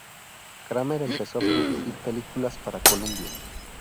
Kramer empezó a producir películas para Columbia.